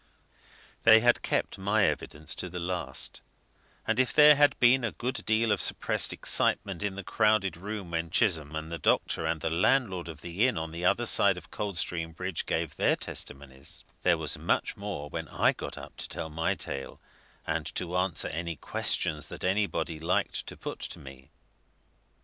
They had kept my evidence to the last, and if there had been a good deal of suppressed excitement in the crowded room while Chisholm and the doctor and the landlord of the inn on the other side of Coldstream Bridge gave their testimonies, there was much more when I got up to tell my tale, and to answer any questions that anybody liked to put to me.